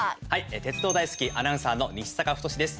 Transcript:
鉄道大好きアナウンサーの西阪太志です。